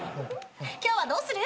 今日はどうする？